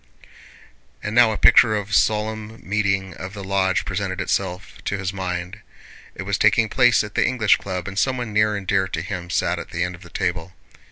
And now a picture of a solemn meeting of the lodge presented itself to his mind. It was taking place at the English Club and someone near and dear to him sat at the end of the table.